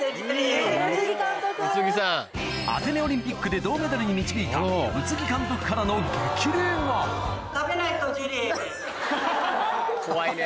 アテネオリンピックで銅メダルに導いた宇津木監督からの激励が怖いね。